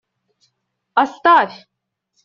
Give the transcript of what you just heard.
Оставь!